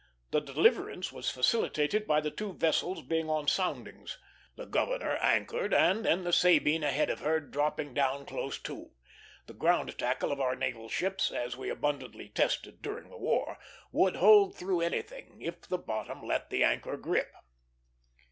The deliverance was facilitated by the two vessels being on soundings. The Governor anchored, and then the Sabine ahead of her, dropping down close to. The ground tackle of our naval ships, as we abundantly tested during the war, would hold through anything, if the bottom let the anchor grip.